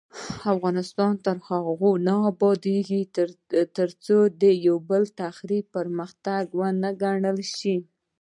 افغانستان تر هغو نه ابادیږي، ترڅو د بل تخریب پرمختګ ونه ګڼل شي.